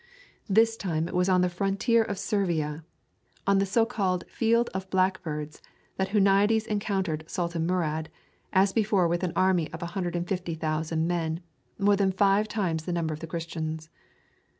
This time it was on the frontier of Servia, on the so called Field of Blackbirds, that Huniades encountered Sultan Murad, as before with an army of 150,000 men more than five times the number of the Christians.